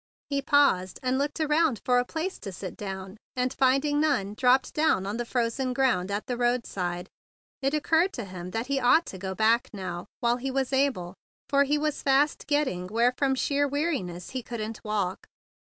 He paused and looked around for a place to sit down, and, finding none, dropped down on the frozen ground at the roadside. It occurred to him that he ought to go back now while he was able, 108 THE BIG BLUE SOLDIER for he was fast getting where from sheer weakness he couldn't walk.